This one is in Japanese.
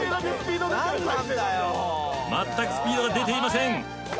まったくスピードが出ていません。